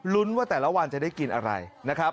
ว่าแต่ละวันจะได้กินอะไรนะครับ